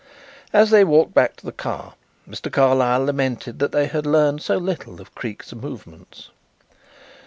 As they walked back to the car Mr. Carlyle lamented that they had learned so little of Creake's movements.